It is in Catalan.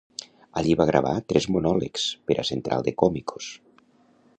Allí va gravar tres monòlegs per a Central de Cómicos.